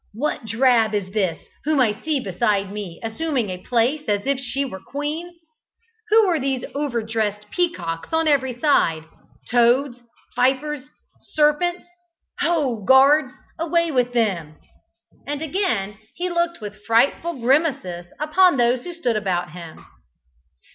What drab is this whom I see beside me assuming a place as if she were queen? Who are these over dressed peacocks on every side? Toads, vipers, serpents! Ho, guards! away with them!" and again he looked with frightful grimaces upon those who stood about him.